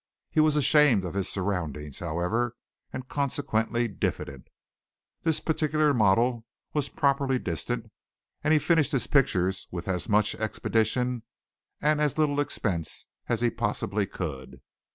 He was ashamed of his surroundings, however, and consequently diffident. This particular model was properly distant, and he finished his pictures with as much expedition and as little expense as he possibly could.